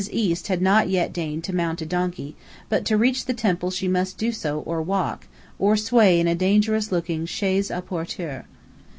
East had not yet deigned to mount a donkey, but to reach the temple she must do so or walk, or sway in a dangerous looking chaise à porteur.